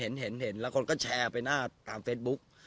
เห็นแล้วคนก็แชร์ไปหน้าตามเฟซบุ๊ก